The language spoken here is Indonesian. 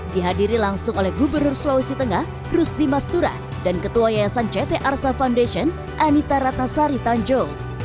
dihadiri langsung oleh gubernur sulawesi tengah rusdi mastura dan ketua yayasan ct arsa foundation anita ratnasari tanjung